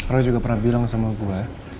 roy juga pernah bilang sama gue